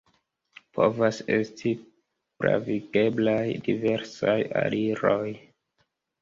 Povas esti pravigeblaj diversaj aliroj.